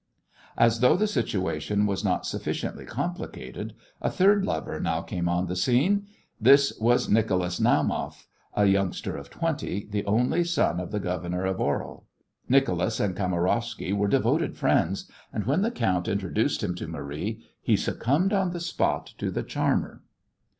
As though the situation was not sufficiently complicated, a third lover now came on the scene. This was Nicholas Naumoff, a youngster of twenty, the only son of the governor of Orel. Nicholas and Kamarowsky were devoted friends, and when the count introduced him to Marie he succumbed on the spot to the charmer.